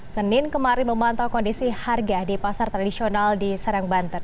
senin kemarin memantau kondisi harga di pasar tradisional di serang banten